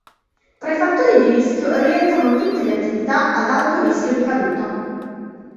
Tra i fattori di rischio rientrano tutte le attività ad alto rischio di caduta.